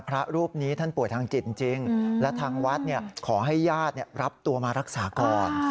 พระรูปนี้ท่านป่วยทางจิตจริงและทางวัดขอให้ญาติรับตัวมารักษาก่อน